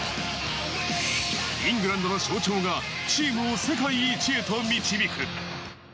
イングランドの象徴がチームを世界一へと導く。